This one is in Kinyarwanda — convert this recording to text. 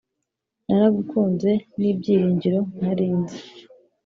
naragukunze; n'ibyiringiro nari nzi,